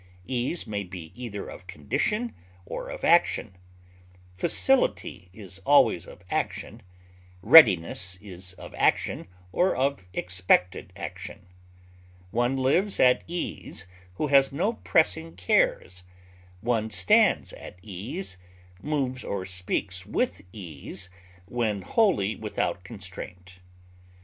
Ease may be either of condition or of action; facility is always of action; readiness is of action or of expected action. One lives at ease who has no pressing cares; one stands at ease, moves or speaks with ease, when wholly without constraint.